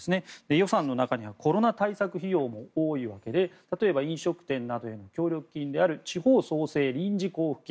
予算の中にはコロナ対策費用も多いわけで例えば飲食店などへの協力金である地方創生臨時交付金。